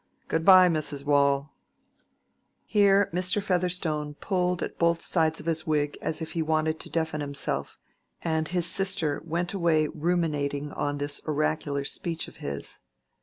Good by, Mrs. Waule." Here Mr. Featherstone pulled at both sides of his wig as if he wanted to deafen himself, and his sister went away ruminating on this oracular speech of his.